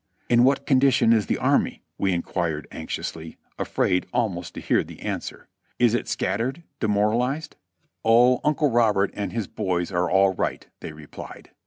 "In what condition is the army?" we inquired anxiously, afraid almost to hear the answer. "Is it scattered, demoralized?" 308 JOHNNY RKB AND BILIyY YANK "O, Uncle Robert and his boys are all right," they replied.